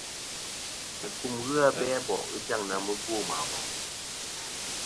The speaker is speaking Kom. Mùkum ghɨ abe a bò' ghɨ jaŋ na mugwo mɨ a bò'.